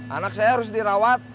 anak saya harus dirawat